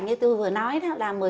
như tôi vừa nói đó là